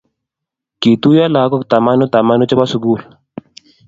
Kituiyo lagook tamanu tamanu chebo suguul